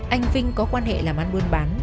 anh bình có quan hệ làm ăn buôn bán